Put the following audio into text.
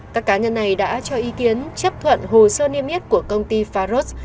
các cá nhân này đã cho ý kiến chấp thuận hồ sơ niêm yết của công ty faros